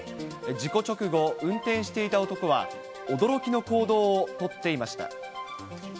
事故直後、運転していた男は、驚きの行動を取っていました。